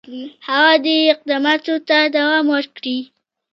هغه دي اقداماتو ته دوام ورکړي.